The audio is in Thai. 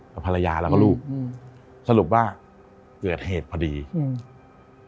กับภรรยาแล้วก็ลูกอืมสรุปว่าเกิดเหตุพอดีอืม